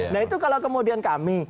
nah itu kalau kemudian kami